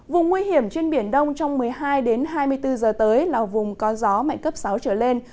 vùng nguy hiểm trên biển đông trong một mươi hai đến hai mươi bốn h tới là vùng có gió mạnh cấp sáu trở lên